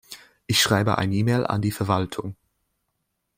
Ich schreibe ein Email an die Verwaltung.